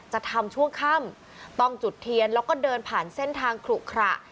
จะทำช่วงค่ำต้องจุดเทียนแล้วก็เดินผ่านเส้นทางขลุขระ